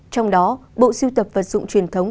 trong đó bộ sưu tập vận dụng truyền thống